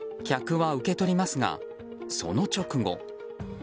客は受け取りますが、その直後。